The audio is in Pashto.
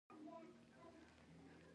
چین مجبور شو چې بندرونه خلاص کړي.